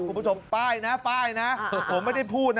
คุณผู้ชมป้ายนะป้ายนะผมไม่ได้พูดนะ